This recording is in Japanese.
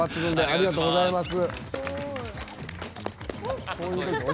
ありがとうございます。